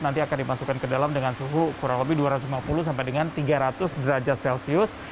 nanti akan dimasukkan ke dalam dengan suhu kurang lebih dua ratus lima puluh sampai dengan tiga ratus derajat celcius